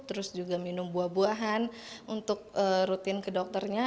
terus juga minum buah buahan untuk rutin ke dokternya